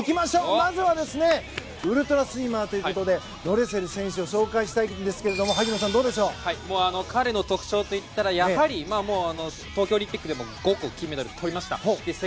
まずはウルトラスイマーということでドレセル選手を紹介したいんですが彼の特徴といったらやはり東京オリンピックでも５個、金メダルをとりました。